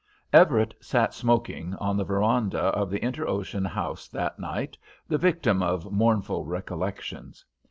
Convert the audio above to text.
Everett sat smoking on the veranda of the Inter Ocean House that night, the victim of mournful recollections.